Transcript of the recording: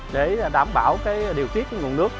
để đảm bảo điều kiện nguồn nước